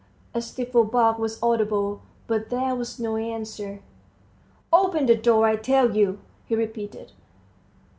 A stifled bark was audible, but there was no answer. "Open the door, I tell you," he repeated.